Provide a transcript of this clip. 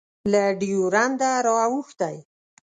له ډیورنډه رااوښتی